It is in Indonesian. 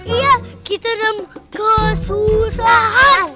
iya kita dalam kesusahan